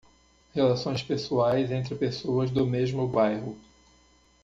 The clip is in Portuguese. Relações pessoais entre pessoas do mesmo bairro.